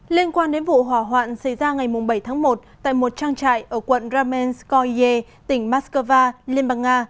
liên quan đến vụ hỏa hoạn xảy ra ngày bảy tháng một tại một trang trại ở quận ramenskoye tỉnh moscow liên bang nga